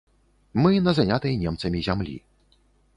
Мы на занятай немцамі зямлі.